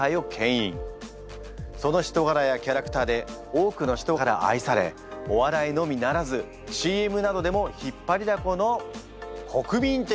その人柄やキャラクターで多くの人から愛されお笑いのみならずＣＭなどでも引っ張りだこの国民的